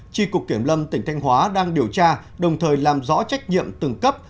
tri cục kiểm lâm tỉnh thanh hóa đang điều tra đồng thời làm rõ trách nhiệm từng cấp